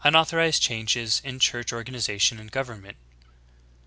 91 I ((3)/ Unauthorized changes in Church organization and government.